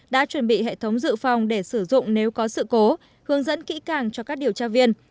đã chuẩn bị hệ thống dự phòng để sử dụng nếu có sự cố hướng dẫn kỹ càng cho các điều tra viên